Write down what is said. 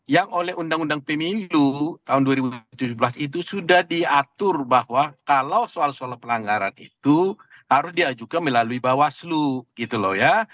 yang oleh undang undang pemilu tahun dua ribu tujuh belas itu sudah diatur bahwa kalau soal soal pelanggaran itu harus diajukan melalui bawaslu gitu loh ya